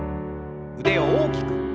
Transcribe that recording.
腕を大きく。